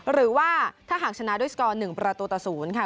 หรือว่าถ้าหากชนะด้วยสกอร์๑ประตูต่อ๐ค่ะ